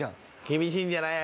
厳しいんじゃない？